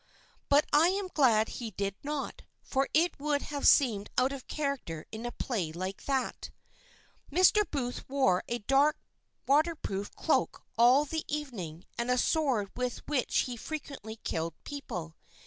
But I am glad he did not, for it would have seemed out of character in a play like that. Mr. Booth wore a dark, water proof cloak all the evening and a sword with which he frequently killed people.